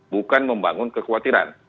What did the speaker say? bukan membangun kekhawatiran